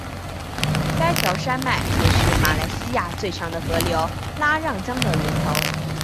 该条山脉也是马来西亚最长的河流拉让江的源头。